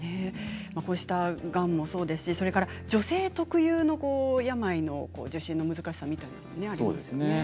こうした、がんもそうですし女性特有の病の受診の難しさもありますね。